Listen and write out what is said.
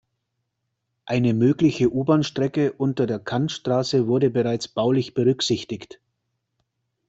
Eine mögliche U-Bahn-Strecke unter der Kantstraße wurde bereits baulich berücksichtigt.